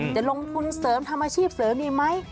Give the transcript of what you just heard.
จะลงทุนเสริมทำอาชีพเสริมดีไหม